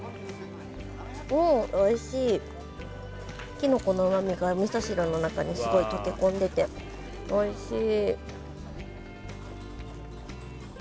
きのこの旨みがみそ汁の中にすごい溶け込んでておいしい！